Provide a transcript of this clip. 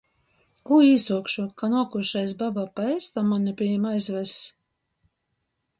Kū īsuokšu, ka nuokušreiz baba pa eistam mani pi jim aizvess?